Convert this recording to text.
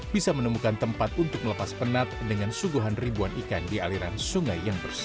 bisa menemukan tempat untuk melepas penat dengan suguhan ribuan ikan di aliran sungai yang bersih